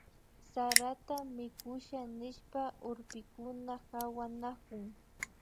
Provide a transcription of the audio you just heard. Sarata mikusha nishpa urpikuna pawanakun